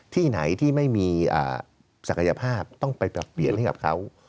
ที่ไหนที่ไม่มีศักยภาพต้องไปปรับเปลี่ยนให้กับเขา